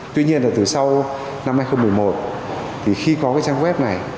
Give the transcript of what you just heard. tuy nhiên là từ sau năm hai nghìn một mươi một khi có trang web này